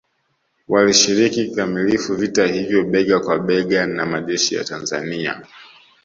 Walishiriki kikamilifu vita hivyo bega kwa bega na majeshi ya Tanzania